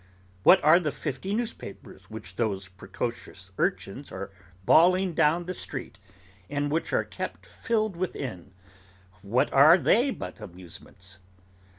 What are the fifty newspapers, which those precocious urchins are bawling down the street, and which are kept filed within, what are they but amusements?